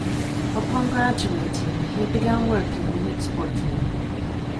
Upon graduating, he began working in exporting.